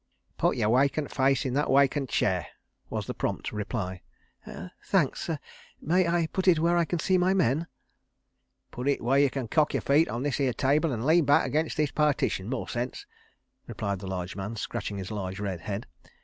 "Put your wacant faice in that wacant chair," was the prompt reply. "Thanks—may I put it where I can see my men?" said Bertram. "Putt it where you can cock yer feet on this 'ere table an' lean back agin that pertition, more sense," replied the large red man, scratching his large red head.